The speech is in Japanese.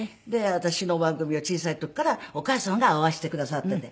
私の番組を小さい時からお母様が合わせてくださっていて。